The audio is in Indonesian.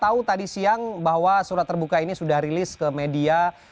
kita tahu tadi siang bahwa surat terbuka ini sudah rilis ke media